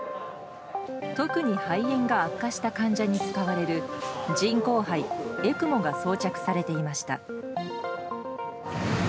特に肺炎が悪化した患者に使われる人工肺・ＥＣＭＯが装着されていました。